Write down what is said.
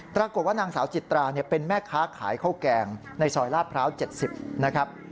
ปรากฏว่านางสาวจิตราเป็นแม่ค้าขายข้าวแกงในซอยลาดพร้าว๗๐นะครับ